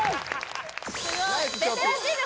ベテランチーム